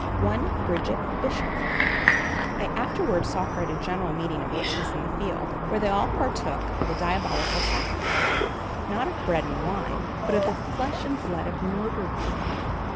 "One Bridget Bishop. I afterward saw her at a general meeting of witches in a field, where they all partook of a diabolical sacrament, not of bread and wine, but of the flesh and blood of murdered people."